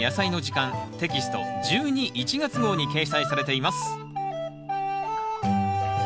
テキスト１２・１月号に掲載されています